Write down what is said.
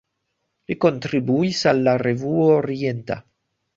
Li kontribuis al "La Revuo Orienta".